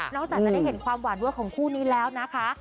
จากจะได้เห็นความหวานเวอร์ของคู่นี้แล้วนะคะ